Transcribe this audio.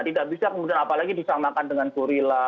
tidak bisa kemudian apalagi disamakan dengan gorilla